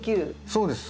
そうです。